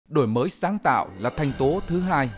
đổi mới sáng tạo là thanh tố thứ hai